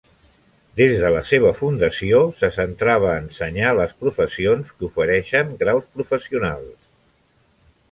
Des de la seva fundació, se centrava a ensenyar les professions que ofereixen graus professionals.